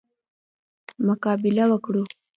مقابله وکړو.